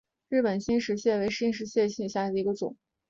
日本新石蟹为石蟹科新石蟹属下的一个种。